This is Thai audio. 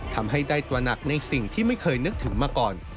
ทำให้ได้ตระหนักในสิ่งที่ไม่เคยนึกถึงมาก่อน